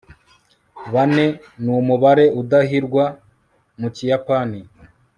bane numubare udahirwa mukiyapani